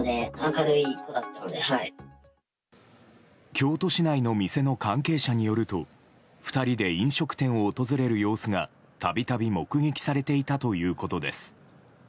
京都市内の店の関係者によると２人で飲食店を訪れる様子が度々、目撃されていたということです。